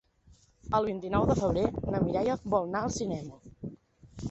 El vint-i-nou de febrer na Mireia vol anar al cinema.